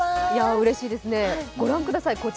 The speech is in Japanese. うれしいですね、ご覧ください。